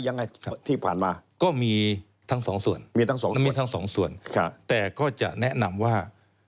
ยังไงที่ผ่านมา